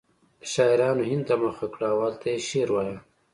شاعرانو هند ته مخه کړه او هلته یې شعر وایه